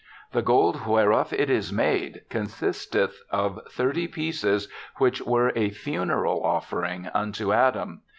The gold whereof it is made consisteth of thirty pieces, which were a funeral offering unto Adam.